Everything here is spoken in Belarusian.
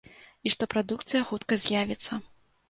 І што прадукцыя хутка з'явіцца.